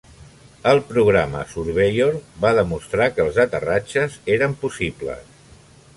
El programa Surveyor va demostrar que els aterratges eren possibles.